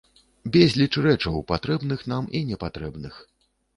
Безліч рэчаў, патрэбных нам і непатрэбных.